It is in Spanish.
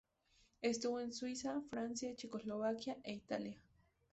Estuvo en Suiza, Francia, Checoslovaquia e Italia.